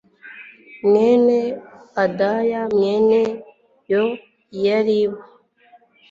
mwene adaya mwene yoyaribu